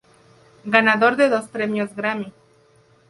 Ganador de dos Premios Grammy.